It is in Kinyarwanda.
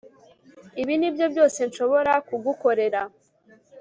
Ibi nibyo byose nshobora kugukorera